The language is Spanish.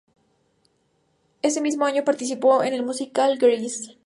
Ese mismo año, participó en el musical, Grease.